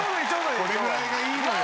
これぐらいがいいのよ。